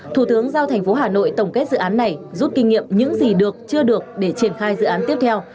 thủ tướng giao thành phố hà nội tổng kết dự án này rút kinh nghiệm những gì được chưa được để triển khai dự án tiếp theo